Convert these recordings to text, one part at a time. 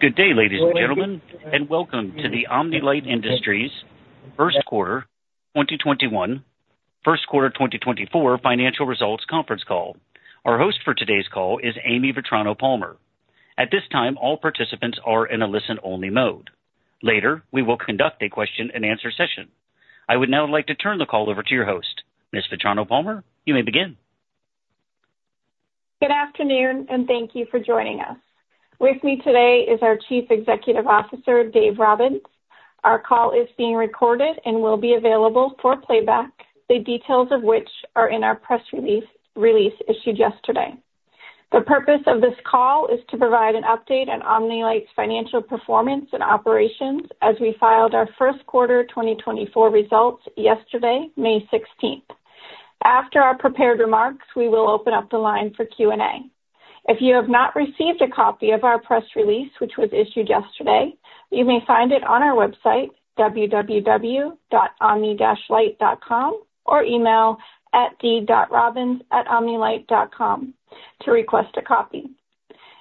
Good day, ladies and gentlemen, and welcome to the Omni-Lite Industries first quarter 2021-- first quarter 2024 financial results conference call. Our host for today's call is Amy Vetrano-Palmer. At this time, all participants are in a listen-only mode. Later, we will conduct a question-and-answer session. I would now like to turn the call over to your host. Ms. Vetrano-Palmer, you may begin. Good afternoon, and thank you for joining us. With me today is our Chief Executive Officer, Dave Robbins. Our call is being recorded and will be available for playback, the details of which are in our press release, release issued yesterday. The purpose of this call is to provide an update on Omni-Lite's financial performance and operations as we filed our first quarter 2024 results yesterday, May 16th. After our prepared remarks, we will open up the line for Q&A. If you have not received a copy of our press release, which was issued yesterday, you may find it on our website, www.omni-lite.com, or email at d.robbins@omni-lite.com to request a copy.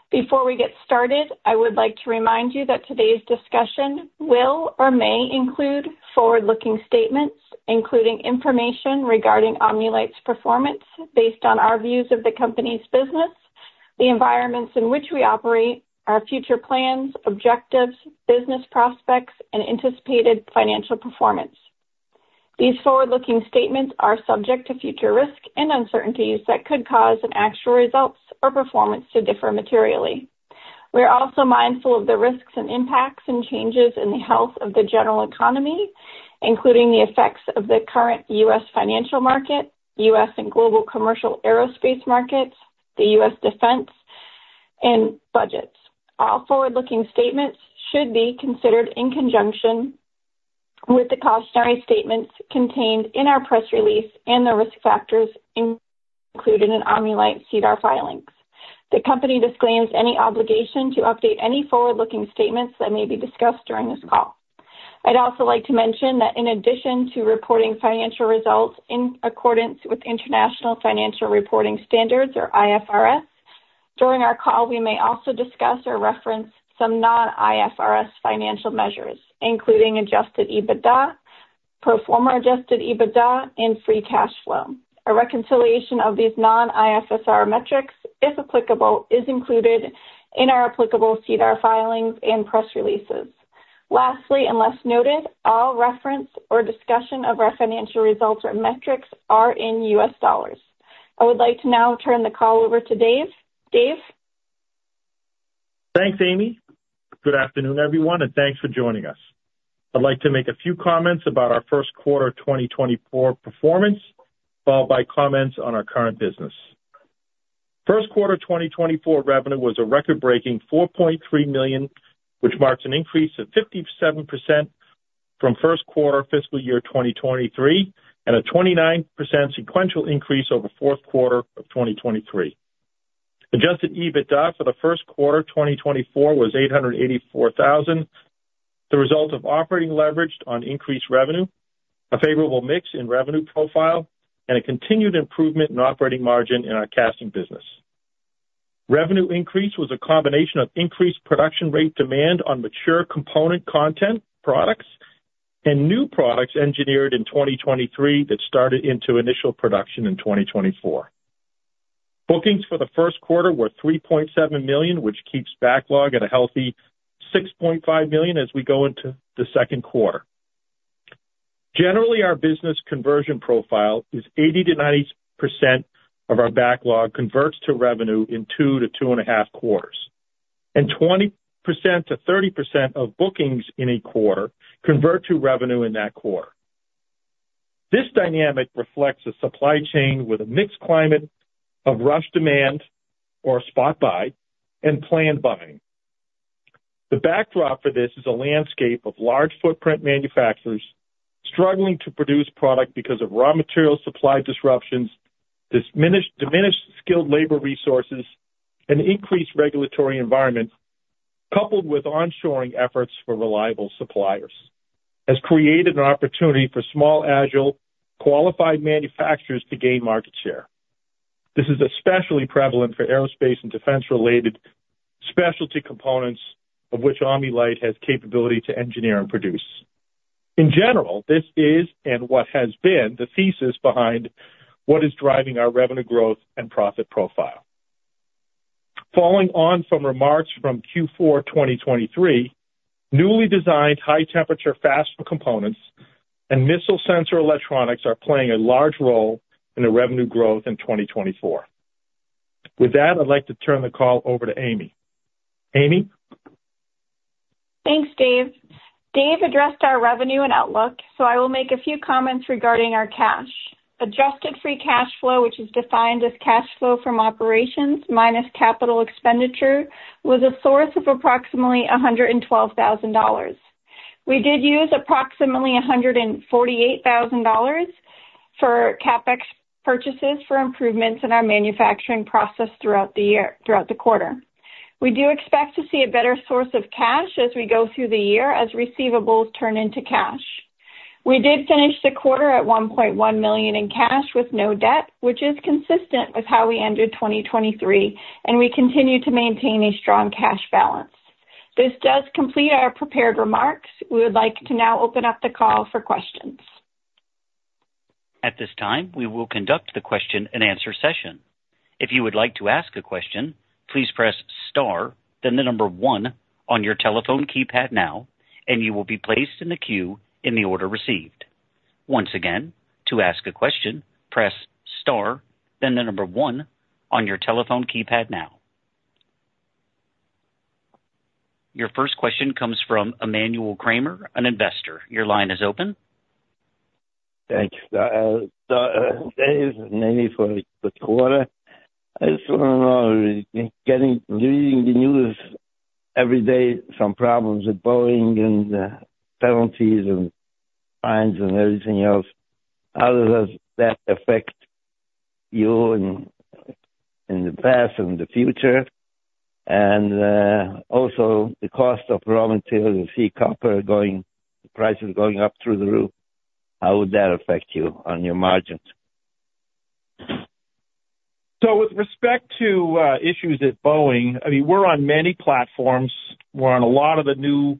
Before we get started, I would like to remind you that today's discussion will or may include forward-looking statements, including information regarding Omni-Lite's performance based on our views of the company's business, the environments in which we operate, our future plans, objectives, business prospects, and anticipated financial performance. These forward-looking statements are subject to future risk and uncertainties that could cause an actual results or performance to differ materially. We're also mindful of the risks and impacts and changes in the health of the general economy, including the effects of the current U.S. financial market, U.S. and global commercial aerospace markets, the U.S. defense and budgets. All forward-looking statements should be considered in conjunction with the cautionary statements contained in our press release and the risk factors included in Omni-Lite's SEDAR filings. The company disclaims any obligation to update any forward-looking statements that may be discussed during this call. I'd also like to mention that in addition to reporting financial results in accordance with International Financial Reporting Standards or IFRS, during our call, we may also discuss or reference some non-IFRS financial measures, including adjusted EBITDA, pro forma adjusted EBITDA, and free cash flow. A reconciliation of these non-IFRS metrics, if applicable, is included in our applicable SEDAR filings and press releases. Lastly, unless noted, all reference or discussion of our financial results or metrics are in US dollars. I would like to now turn the call over to Dave. Dave? Thanks, Amy. Good afternoon, everyone, and thanks for joining us. I'd like to make a few comments about our first quarter 2024 performance, followed by comments on our current business. First quarter 2024 revenue was a record-breaking $4.3 million, which marks an increase of 57% from first quarter fiscal year 2023, and a 29% sequential increase over fourth quarter of 2023. Adjusted EBITDA for the first quarter 2024 was $884,000, the result of operating leverage on increased revenue, a favorable mix in revenue profile, and a continued improvement in operating margin in our casting business. Revenue increase was a combination of increased production rate demand on mature component content products and new products engineered in 2023 that started into initial production in 2024. Bookings for the first quarter were $3.7 million, which keeps backlog at a healthy $6.5 million as we go into the second quarter. Generally, our business conversion profile is 80%-90% of our backlog converts to revenue in 2-2.5 quarters, and 20%-30% of bookings in a quarter convert to revenue in that quarter. This dynamic reflects a supply chain with a mixed climate of rush demand or spot buy and planned buying. The backdrop for this is a landscape of large footprint manufacturers struggling to produce product because of raw material supply disruptions, diminished skilled labor resources, and increased regulatory environment, coupled with onshoring efforts for reliable suppliers, has created an opportunity for small, agile, qualified manufacturers to gain market share. This is especially prevalent for aerospace and defense-related specialty components of which Omni-Lite has capability to engineer and produce. In general, this is and what has been the thesis behind what is driving our revenue growth and profit profile. Following on from remarks from Q4 2023, newly designed high-temperature fastener components and missile sensor electronics are playing a large role in the revenue growth in 2024. With that, I'd like to turn the call over to Amy. Amy? Thanks, Dave. Dave addressed our revenue and outlook, so I will make a few comments regarding our cash. Adjusted free cash flow, which is defined as cash flow from operations minus capital expenditure, was a source of approximately $112,000. We did use approximately $148,000 for CapEx purchases for improvements in our manufacturing process throughout the year, throughout the quarter. We do expect to see a better source of cash as we go through the year as receivables turn into cash.... We did finish the quarter at $1.1 million in cash with no debt, which is consistent with how we ended 2023, and we continue to maintain a strong cash balance. This does complete our prepared remarks. We would like to now open up the call for questions. At this time, we will conduct the question-and-answer session. If you would like to ask a question, please press star, then the number 1 on your telephone keypad now, and you will be placed in the queue in the order received. Once again, to ask a question, press star, then the number 1 on your telephone keypad now. Your first question comes from Manuel Kramer, an investor. Your line is open. Thanks. Dave and Amy, for the quarter, I just want to know, getting—reading the news every day, some problems with Boeing and, penalties and fines and everything else, how does that affect you in, in the past and the future? And, also the cost of raw materials, you see copper going, prices going up through the roof. How would that affect you on your margins? So with respect to issues at Boeing, I mean, we're on many platforms. We're on a lot of the new,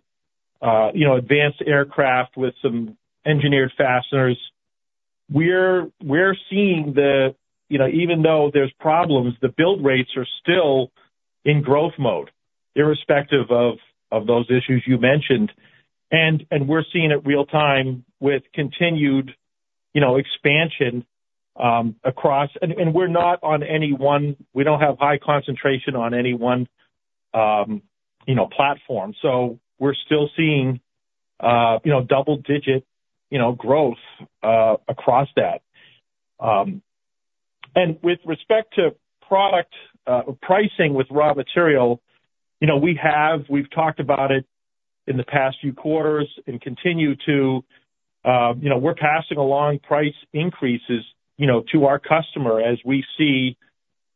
you know, advanced aircraft with some engineered fasteners. We're seeing the, you know, even though there's problems, the build rates are still in growth mode, irrespective of those issues you mentioned. And we're seeing it real time with continued, you know, expansion across-- And we're not on any one-- We don't have high concentration on any one, you know, platform. So we're still seeing, you know, double-digit, you know, growth across that. And with respect to product pricing with raw material, you know, we have-- we've talked about it in the past few quarters and continue to... You know, we're passing along price increases, you know, to our customer as we see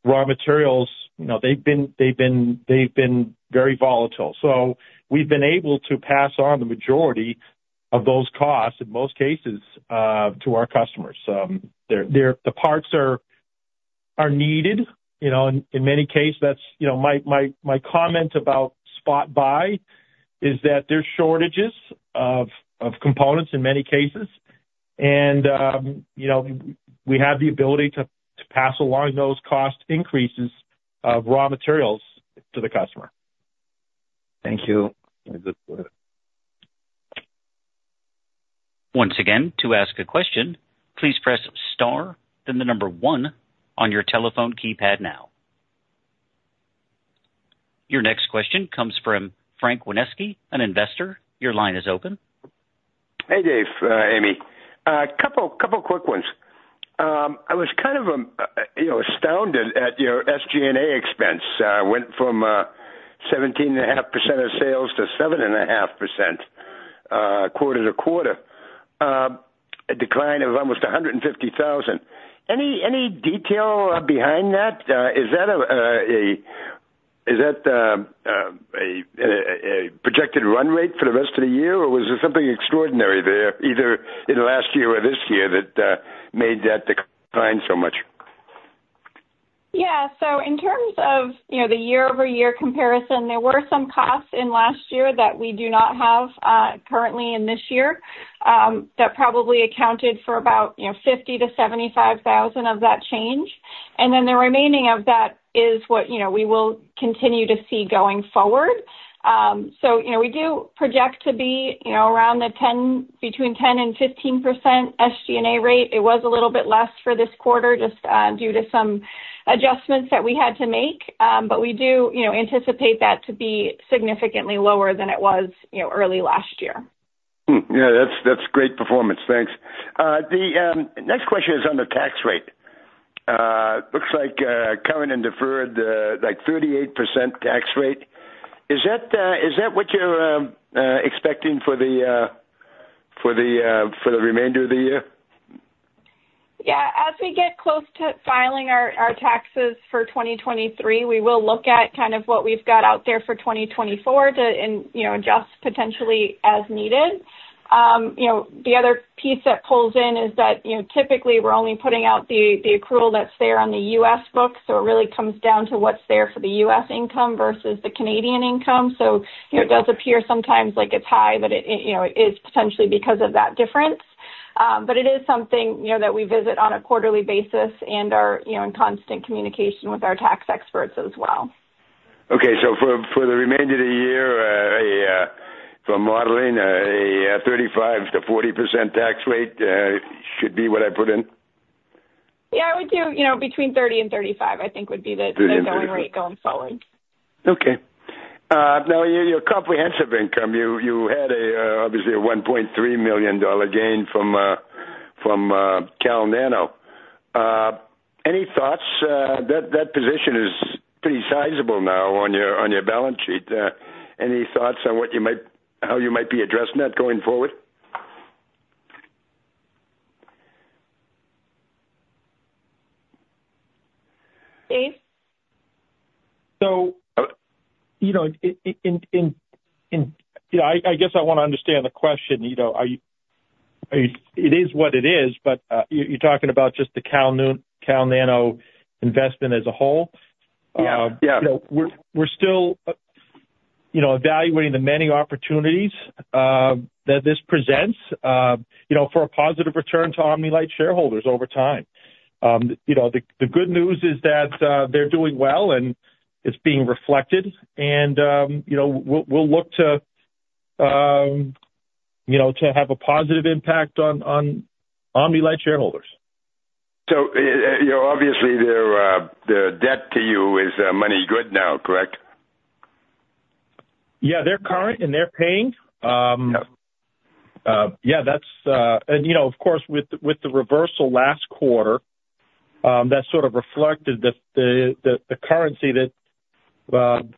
raw materials. You know, they've been very volatile. So we've been able to pass on the majority of those costs, in most cases, to our customers. The parts are needed. You know, in many cases, that's, you know, my comment about spot buy is that there's shortages of components in many cases, and, you know, we have the ability to pass along those cost increases of raw materials to the customer. Thank you. Once again, to ask a question, please press star, then the number one on your telephone keypad now. Your next question comes from Frank Wineski, an investor. Your line is open. Hey, Dave, Amy. A couple quick ones. I was kind of, you know, astounded at your SG&A expense. It went from 17.5% of sales to 7.5%, quarter-over-quarter. A decline of almost $150,000. Any detail behind that? Is that a projected run rate for the rest of the year, or was there something extraordinary there, either in the last year or this year, that made that decline so much? Yeah. So in terms of, you know, the year-over-year comparison, there were some costs in last year that we do not have currently in this year, that probably accounted for about, you know, $50,000-$75,000 of that change. And then the remaining of that is what, you know, we will continue to see going forward. So, you know, we do project to be, you know, around the 10, between 10% and 15% SG&A rate. It was a little bit less for this quarter, just due to some adjustments that we had to make. But we do, you know, anticipate that to be significantly lower than it was, you know, early last year. Hmm. Yeah, that's, that's great performance. Thanks. The next question is on the tax rate. Looks like current and deferred like 38% tax rate. Is that, is that what you're expecting for the remainder of the year? Yeah. As we get close to filing our taxes for 2023, we will look at kind of what we've got out there for 2024 to and, you know, adjust potentially as needed. You know, the other piece that pulls in is that, you know, typically we're only putting out the accrual that's there on the U.S. books, so it really comes down to what's there for the U.S. income versus the Canadian income. So it does appear sometimes, like, it's high, but, you know, it's potentially because of that difference. But it is something, you know, that we visit on a quarterly basis and are, you know, in constant communication with our tax experts as well. Okay. So for the remainder of the year, for modeling, a 35%-40% tax rate should be what I put in? Yeah, I would do, you know, between 30% and 35%, I think would be the- Thirty. run rate going forward. Okay. Now, your comprehensive income, you had a, obviously a $1.3 million gain from, from, Cal Nano. Any thoughts? That position is pretty sizable now on your balance sheet. Any thoughts on what you might--how you might be addressing that going forward?... Dave? So, you know, in, you know, I guess I want to understand the question. You know, are you? It is what it is, but, you're talking about just the Cal Nano investment as a whole? Yeah. Yeah. You know, we're still, you know, evaluating the many opportunities that this presents, you know, for a positive return to Omni-Lite shareholders over time. You know, the good news is that they're doing well, and it's being reflected, and, you know, we'll look to, you know, to have a positive impact on Omni-Lite shareholders. You know, obviously, their debt to you is money good now, correct? Yeah, they're current, and they're paying. Yep. Yeah, that's... And, you know, of course, with the reversal last quarter, that sort of reflected the currency that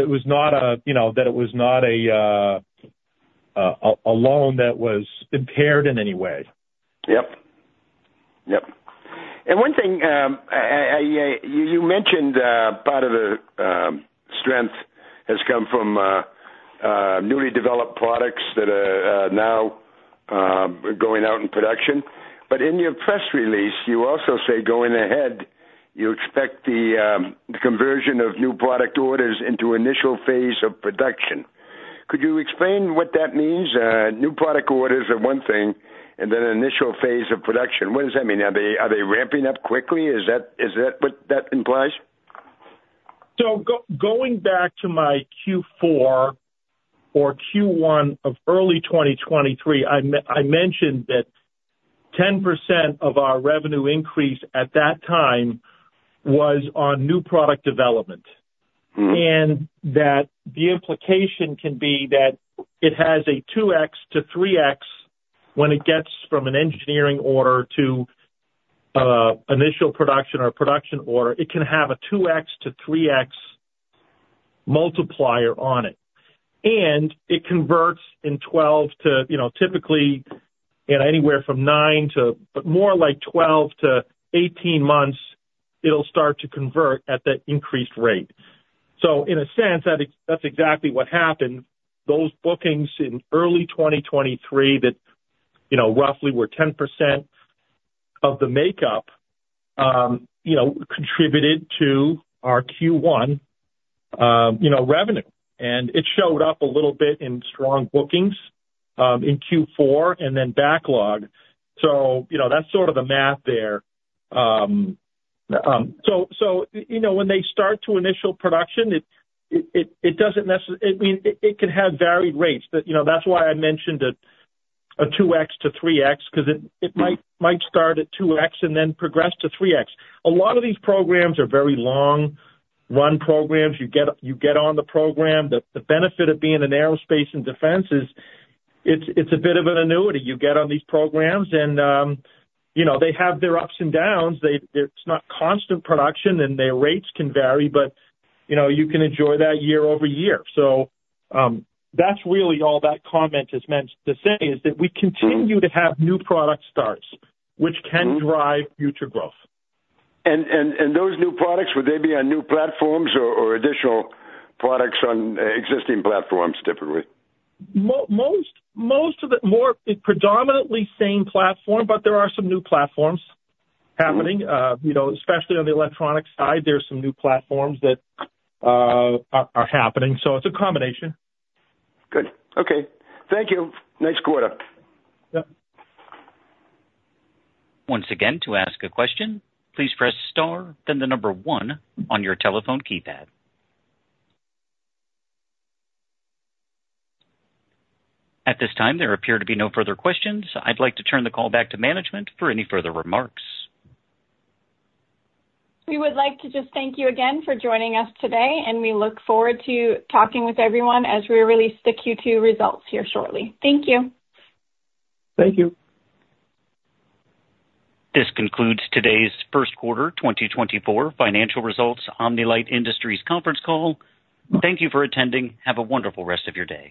it was not a, you know, that it was not a loan that was impaired in any way. Yep. Yep. And one thing, you mentioned part of the strength has come from newly developed products that are now going out in production. But in your press release, you also say, going ahead, you expect the conversion of new product orders into initial phase of production. Could you explain what that means? New product orders are one thing, and then initial phase of production, what does that mean? Are they ramping up quickly? Is that what that implies? So going back to my Q4 or Q1 of early 2023, I mentioned that 10% of our revenue increase at that time was on new product development. Mm-hmm. That the implication can be that it has a 2x to 3x when it gets from an engineering order to initial production or production order, it can have a 2x to 3x multiplier on it, and it converts in 12 to, you know, typically in anywhere from 9 to, but more like 12 to 18 months, it'll start to convert at that increased rate. So in a sense, that's exactly what happened. Those bookings in early 2023 that, you know, roughly were 10% of the makeup, you know, contributed to our Q1, you know, revenue. And it showed up a little bit in strong bookings in Q4, and then backlog. So, you know, that's sort of the math there. So, you know, when they start to initial production, it doesn't. I mean, it can have varied rates, but, you know, that's why I mentioned a 2x to 3x, 'cause it might start at 2x and then progress to 3x. A lot of these programs are very long-run programs. You get on the program. The benefit of being in aerospace and defense is it's a bit of an annuity. You get on these programs, and, you know, they have their ups and downs. It's not constant production, and their rates can vary, but, you know, you can enjoy that year-over-year. So, that's really all that comment is meant to say, is that we continue- Mm-hmm... to have new product starts, which can- Mm-hmm... drive future growth. Those new products, would they be on new platforms or additional products on existing platforms, typically? Most of the more predominantly same platform, but there are some new platforms happening. Mm-hmm. You know, especially on the electronic side, there's some new platforms that are happening, so it's a combination. Good. Okay, thank you. Nice quarter. Yep. Once again, to ask a question, please press star, then the number one on your telephone keypad. At this time, there appear to be no further questions. I'd like to turn the call back to management for any further remarks. We would like to just thank you again for joining us today, and we look forward to talking with everyone as we release the Q2 results here shortly. Thank you. Thank you. This concludes today's first quarter 2024 financial results, Omni-Lite Industries conference call. Thank you for attending. Have a wonderful rest of your day.